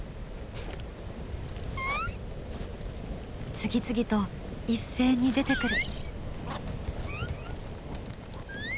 次々と一斉に出てくる。